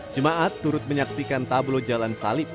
jemaat turut menyaksikan tablo jalan salib